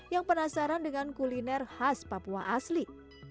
yang penasaran dengan kuliner khas papua asli